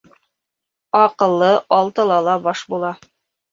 Аҡыллы алтыла ла баш була.